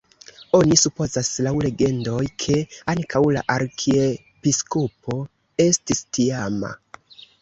Oni supozas laŭ legendoj, ke ankaŭ la arkiepiskopo estis tiama.